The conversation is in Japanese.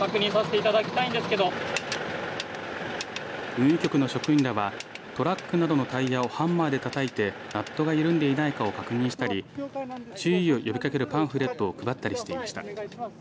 運輸局の職員らはトラックなどのタイヤをハンマーでたたいてナットが緩んでいないかを確認したり注意を呼びかけるパンフレットを配ったりしていました。